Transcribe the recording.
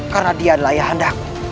karena dia adalah ayah anda